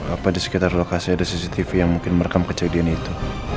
apa di sekitar lokasi ada cctv yang mungkin merekam kejadian itu